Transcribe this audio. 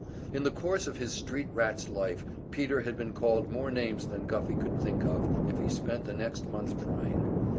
In the course of his street rat's life Peter had been called more names than Guffey could think of if he spent the next month trying.